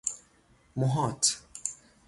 محاط